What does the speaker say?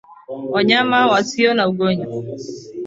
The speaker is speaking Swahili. Wanyama wasio na ugonjwa